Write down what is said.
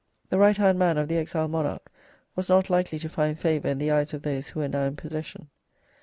The right hand man of the exiled monarch was not likely to find favour in the eyes of those who were now in possession.